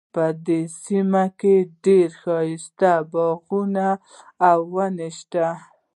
په دې سیمه کې ډیر ښایسته باغونه او ونې شته دي